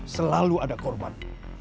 selalu ada korban